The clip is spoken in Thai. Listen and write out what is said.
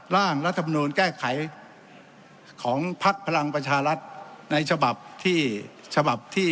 ร่างรัฐบนูนแก้ไขของพักพลังประชารัฐ